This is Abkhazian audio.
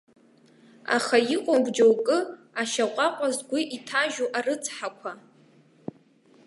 Аха иҟоуп џьоукы, ашьаҟәаҟәа згәы иҭажьу, арыцҳақәа.